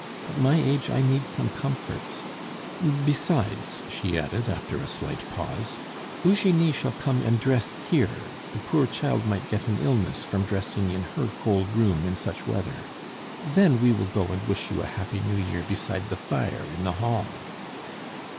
At my age I need some comforts. Besides," she added, after a slight pause, "Eugenie shall come and dress here; the poor child might get an illness from dressing in her cold room in such weather. Then we will go and wish you a happy New Year beside the fire in the hall."